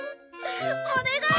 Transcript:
お願い！